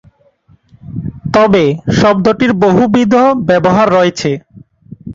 তবে, শব্দটির বহুবিধ ব্যবহার রয়েছে।